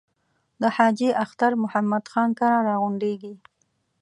د حاجي اختر محمد خان کره را غونډېږي.